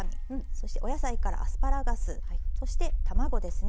そしてお野菜からアスパラガスそして卵ですね。